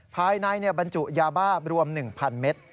ภายในบรรจุยาบ้ารวม๑๐๐เมตร